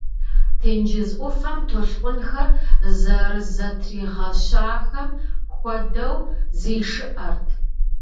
Тенджыз ӏуфэм толъкъунхэр зэрызэтригъэщахэм хуэдэу зишыӏэрт.